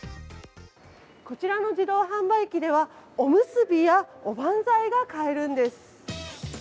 こちらの自動販売機では、おむすびや、おばんざいが買えるんです。